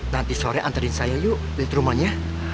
nanti sore anterin saya yuk latrimon ya